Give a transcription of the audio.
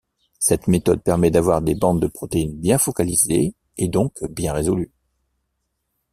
Cette méthode permet d'avoir des bandes de protéines bien focalisées et donc bien résolues.